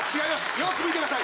よく見てください。